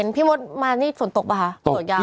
พี่โม๊ตมาฝนตกบ้าง